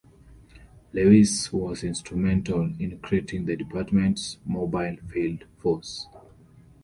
Lewis was instrumental in creating the department's mobile field force.